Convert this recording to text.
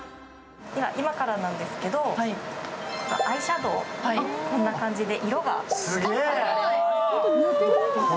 今からなんですけど、アイシャドー、こんな感じで。